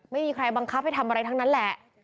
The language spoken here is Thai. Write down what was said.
ไม่มีใครบังคับให้ทำอะไรทั้งนั้นแหละ